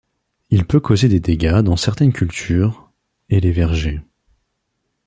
Il peut causer des dégâts dans certaines cultures et les vergers.